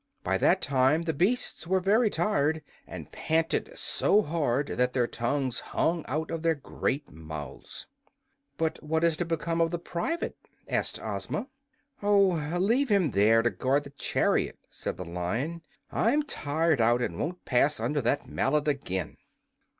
By that time the beasts were very tired, and panted so hard that their tongues hung out of their great mouths. "But what is to become of the private?" asked Ozma. "Oh, leave him there to guard the chariot," said the Lion. "I'm tired out, and won't pass under that mallet again."